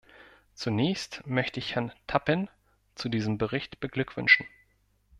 Zunächst möchte ich Herrn Tappin zu diesem Bericht beglückwünschen.